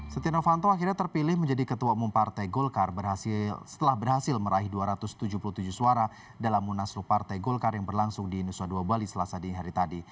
setia novanto akhirnya terpilih menjadi ketua umum partai golkar setelah berhasil meraih dua ratus tujuh puluh tujuh suara dalam munaslu partai golkar yang berlangsung di nusa dua bali selasa dini hari tadi